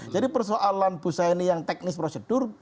jadi persoalan busa ini yang teknis prosedur